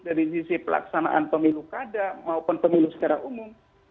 dari sisi pelaksanaan pemilu kada maupun pemilu secara umum